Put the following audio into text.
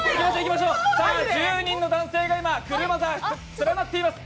１０人の男性が今、車座連なっています。